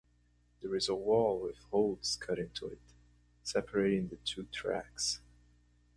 There is a wall with holes cut into it, separating the two tracks.